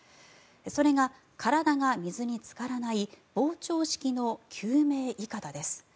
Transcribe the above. それが体が水につからない膨張式の救命いかだです。